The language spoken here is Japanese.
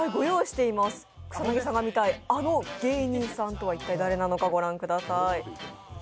草薙さんがみたいあの芸人とは一体誰なのか、御覧ください。